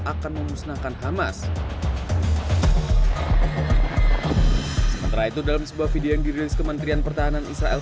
akan memusnahkan hamas sementara itu dalam sebuah video yang dirilis kementerian pertahanan israel